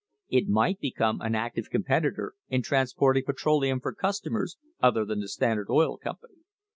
It might become an active competitor in transporting petroleum for customers other than the Standard Oil Company.